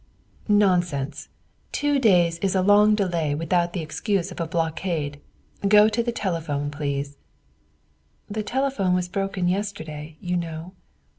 "Nonsense; two days is a long delay without the excuse of a blockade. Go to the telephone, please." "The telephone was broken yesterday, you know."